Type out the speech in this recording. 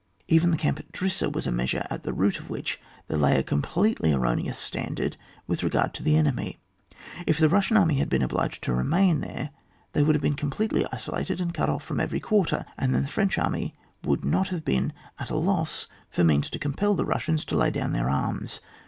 Even the camp at Drissa was a measure at the root of which there lay a completely erroneous standard with re gard to the enemy. If the Bussian army had been obliged to remain there they would have been completely isolated and cut off from eyery quarter, and then the French army would not have been at a loss for means to compel the Russians to lay down their arms.